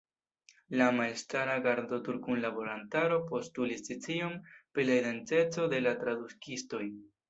Iama elstara Gardotur-kunlaborantaro postulis scion pri la identeco de la tradukistoj.